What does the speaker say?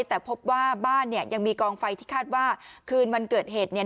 แต่พบว่าบ้านเนี่ยยังมีกองไฟที่คาดว่าคืนวันเกิดเหตุเนี่ย